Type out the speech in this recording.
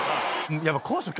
やっぱ。